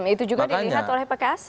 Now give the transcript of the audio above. itu juga dilihat oleh pks